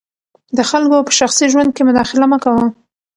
د خلګو په شخصي ژوند کي مداخله مه کوه.